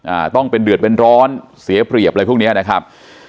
อ่าต้องเป็นเดือดเป็นร้อนเสียเปรียบอะไรพวกเนี้ยนะครับ